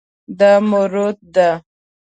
دا مروت ده.